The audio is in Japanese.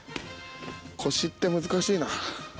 腰って難しいな。